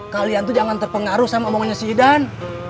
kalian tuh jangan terpengaruh sama omongannya si idan